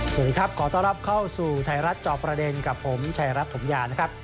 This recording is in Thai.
สวัสดีครับขอต้อนรับเข้าสู่ไทยรัฐจอบประเด็นกับผมชายรัฐถมยานะครับ